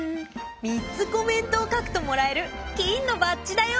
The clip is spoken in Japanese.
３つコメントを書くともらえる金のバッジだよ！